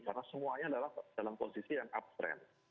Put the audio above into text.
karena semuanya adalah dalam posisi yang uptrend